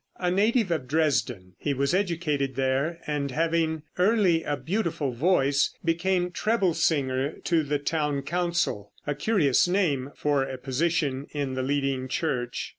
A native of Dresden, he was educated there, and having early a beautiful voice became treble singer to the town council a curious name for a position in the leading church.